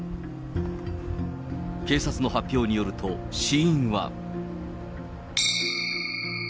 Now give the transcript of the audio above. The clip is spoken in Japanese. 警察の発表によると、死因は。